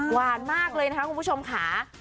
หวานมากเลยนะคะคุณผู้ชมค่ะ